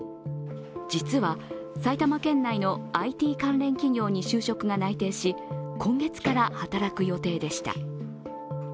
実は、埼玉県内のＩＴ関連企業に就職が内定し今月から働く予定でした。